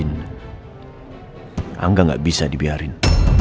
engak gak bisa dibiarin